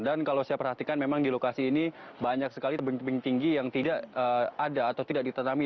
dan kalau saya perhatikan memang di lokasi ini banyak sekali tebing tebing tinggi yang tidak ada atau tidak ditanami